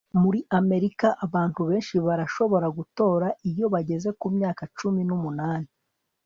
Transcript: muri amerika, abantu benshi barashobora gutora iyo bageze kumyaka cumi n'umunani